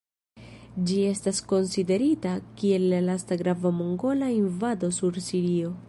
Ĝi estas konsiderita kiel la lasta grava mongola invado sur Sirio.